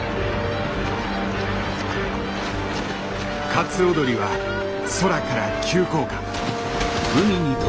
カツオドリは空から急降下。